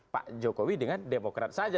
pak jokowi dengan demokrat saja